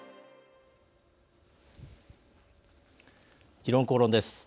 「時論公論」です。